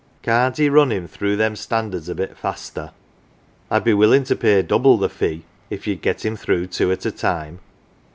" Can't 'ee run him through them standards a bit faster ? I'd be willin' to pay double the fee if ye'd get him through two at a time